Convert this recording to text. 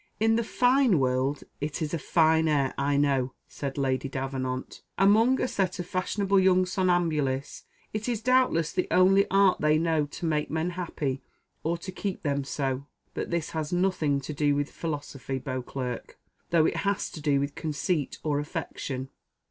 "In the fine world, it is a fine air, I know," said Lady Davenant. "Among a set of fashionable young somnambulists it is doubtless the only art they know to make men happy or to keep them so; but this has nothing to do with philosophy, Beauclerc, though it has to do with conceit or affectation."